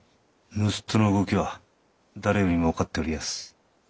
盗人の動きは誰よりも分かっておりやす。